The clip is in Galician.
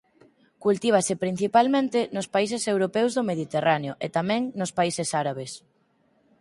Cultivase principalmente nos países europeos do mediterráneo e tamén nos países árabes.